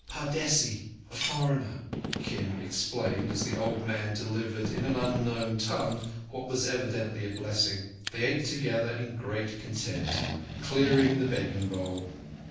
"Pardesi (a foreigner)," Kim explained, as the old man delivered in an unknown tongue what was evidently a blessing. They ate together in great content, clearing the beggingbowl.